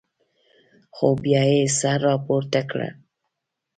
خو بیا یې سر راپورته کړ.